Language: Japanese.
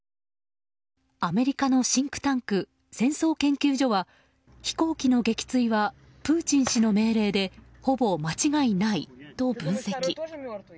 アメリカのシンクタンク戦争研究所は飛行機の撃墜はプーチン氏の命令でほぼ間違いないと分析。